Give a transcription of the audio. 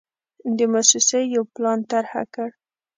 د موسسې یو پلان طرحه کړ.